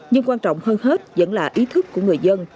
nhưng quan trọng hơn hết vẫn là ý thức của người dân